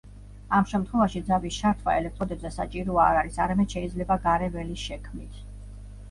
ამ შემთხვევაში ძაბვის ჩართვა ელექტროდებზე საჭირო არ არის, არამედ შეიძლება გარე ველის შექმნით.